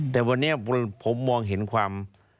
แต่วันนี้ผมมองเห็นความ